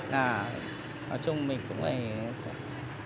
nói chung mình cũng phải xếp xét lại